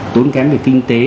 tốn kém về kinh tế